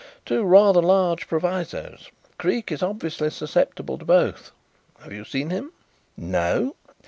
"Two rather large provisos. Creake is obviously susceptible to both. Have you seen him?" "No.